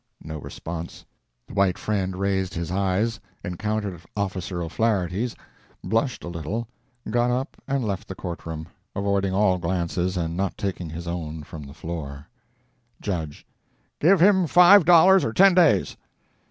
No response. The white friend raised his eyes encountered Officer O'Flaherty's blushed a little got up and left the courtroom, avoiding all glances and not taking his own from the floor. JUDGE "Give him five dollars or ten days."